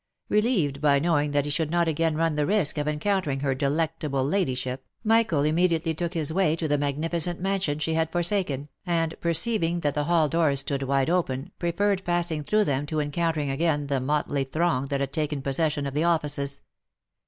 Relieved by knowing that he should not again run the risk of encountering her delectable ladyship, Michael immedi ately took his way to the magnificent mansion she had forsaken, and perceiving that the hail doors stood wide open, preferred passing through them to encountering again the motley throng that had taken possession of the offices.